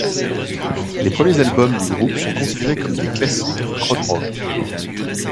Les premiers albums du groupe sont considérés comme des classiques du krautrock.